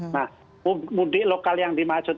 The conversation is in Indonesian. nah mudik lokal yang dimaksud